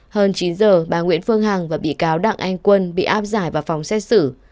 hơn chín giờ bà nguyễn phương hằng và bị cáo đặng anh quân bị áp giải vào phòng xét xử